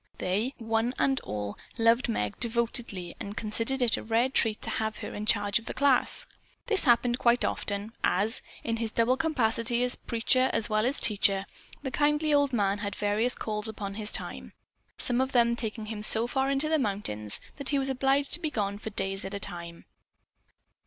They, one and all, loved Meg devotedly and considered it a rare treat to have her in charge of the class. This happened quite often, as, in his double capacity as preacher as well as teacher, the kindly old man had various calls upon his time; some of them taking him so far into the mountains that he was obliged to be gone for days at a time.